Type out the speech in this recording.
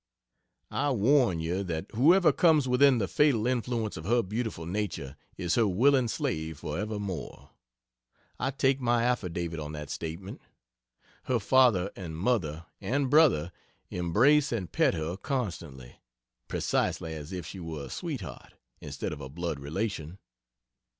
I warn you that whoever comes within the fatal influence of her beautiful nature is her willing slave for evermore. I take my affidavit on that statement. Her father and mother and brother embrace and pet her constantly, precisely as if she were a sweetheart, instead of a blood relation.